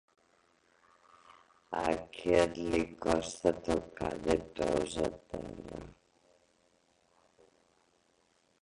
A aquest li costa tocar de peus a terra.